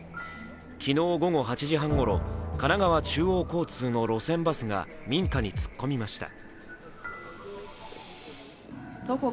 昨日午後８時半ごろ、神奈川中央交通の路線バスが民家に突っ込みました。